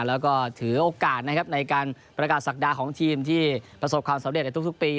แล้วก็ถือโอกาสนะครับในการประกาศศักดาของทีมที่ประสบความสำเร็จในทุกปี